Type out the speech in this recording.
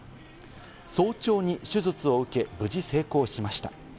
早朝に手術を受け、無事成功しました。